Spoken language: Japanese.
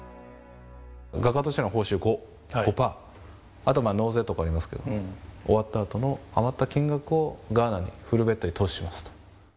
画家としての報酬５％、あと納税とかもありますけれども、終わったあとの余った金額を、ガーナに、フルベットで投資しますと。